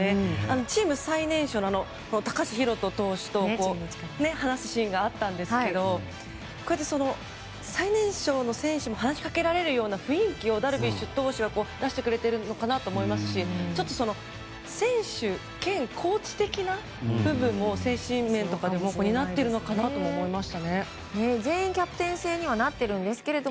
チーム最年少の高橋宏斗投手と話すシーンがあったんですけど最年少の選手に話しかけられるような雰囲気をダルビッシュ投手が出してくれてるのかなと思いますし選手兼コーチ的な部分も精神面でも担っているのかなと思いました。